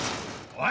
おい！